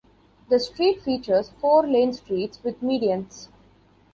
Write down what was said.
The street features four-lane streets with medians.